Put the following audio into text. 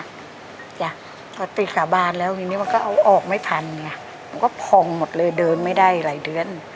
เถียงแหวะที่หาบ้านแล้วมันก็เอาออกไม่พันเหมือนก็ฟองหมดเลยเดินไม่ได้หลายเดือน